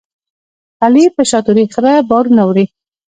علي په شاتوري خره بارونه وړي.